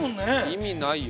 意味ないよ。